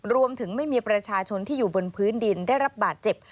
รวมถึงไม่มีประชาชนที่อยู่บนพื้นดินได้รับบาดเจ็บ